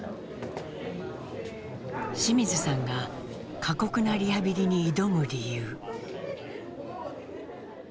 清水さんが過酷なリハビリに挑む理由。